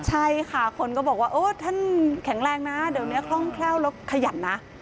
ใช่ค่ะคนก็บอกว่าเออท่านแข็งแรงนะเดี๋ยวนี้คล่องแคล่วแล้วขยันนะ